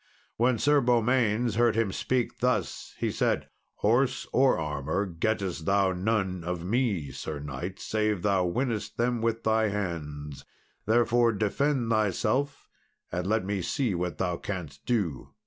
When Sir Beaumains heard him speak thus, he said, "Horse or armour gettest thou none of me, Sir knight, save thou winnest them with thy hands; therefore defend thyself, and let me see what thou canst do."